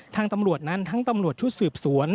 ทางตำรวจนั้นทั้งตำรวจชุดสืบสวน